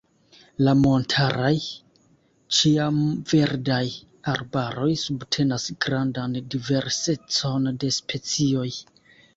La montaraj ĉiamverdaj arbaroj subtenas grandan diversecon de specioj.